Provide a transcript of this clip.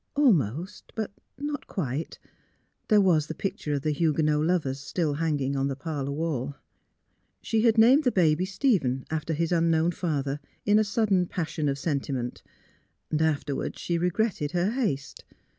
— Almost, but not quite; there was the picture of the Huguenot Lovers still hanging on the parlor wall. She had named the baby Stephen after his un known father, in a sudden passion of sentiment. MISS PHILURA'S BABY 331 Afterward slie regretted her haste.